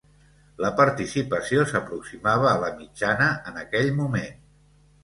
La participació s'aproximava a la mitjana en aquell moment.